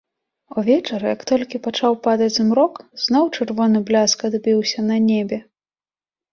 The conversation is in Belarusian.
Увечар, як толькі пачаў падаць змрок, зноў чырвоны бляск адбіўся на небе.